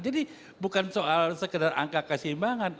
jadi bukan soal sekedar angka kesimbangan